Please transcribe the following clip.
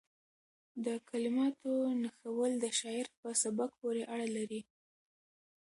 د کلماتو نښلول د شاعر په سبک پورې اړه لري.